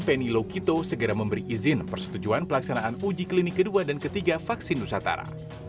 penny lokito segera memberi izin persetujuan pelaksanaan uji klinik kedua dan ketiga vaksin nusantara